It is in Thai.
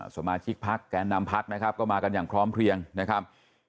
สมาชิกพักแกนนำพักนะครับก็มากันอย่างพร้อมเพลียงนะครับ